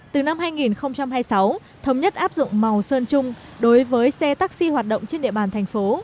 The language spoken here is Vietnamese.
từ năm hai nghìn hai mươi sáu thống nhất áp dụng màu sơn chung đối với xe taxi hoạt động trên địa bàn thành phố